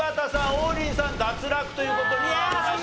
王林さん脱落という事になりました。